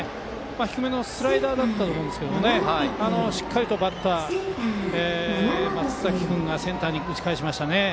低めのスライダーだと思うんですけどしっかりとバッターの松崎君がセンターに打ち返しました。